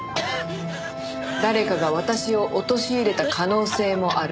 誰かが私を陥れた可能性もある。